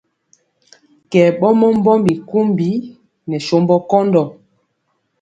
Kɛ ɓɔmɔ mbɔmbi kumbi nɛ sombɔ kɔndɔ.